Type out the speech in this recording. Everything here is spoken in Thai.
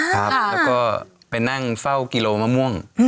แล้วก็ไปนั่งเฝ้ากิโลมะม่วง